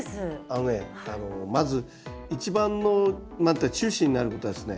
あのねまず一番の中心になることはですね